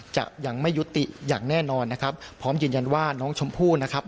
จะยังไม่ยุติอย่างแน่นอนนะครับพร้อมยืนยันว่าน้องชมพู่นะครับ